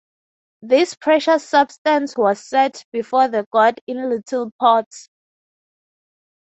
This precious substance was set before the god in little pots.